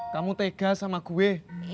kamu tega sama gue